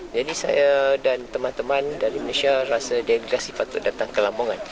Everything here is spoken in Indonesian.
jadi saya dan teman teman dari malaysia rasa delegasi patut datang ke lamongan